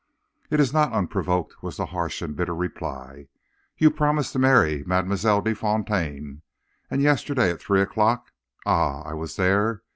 "'It is not unprovoked,' was the harsh and bitter reply. 'You promised to marry Mademoiselle de Fontaine, and yesterday, at three o'clock ah, I was there!